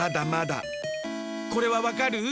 これはわかる？